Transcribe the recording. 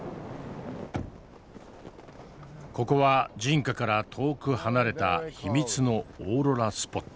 ここは人家から遠く離れた秘密のオーロラ・スポット。